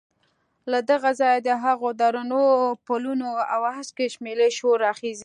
له دغه ځایه د هغو درنو پلونو او هسکې شملې شور راخېژي.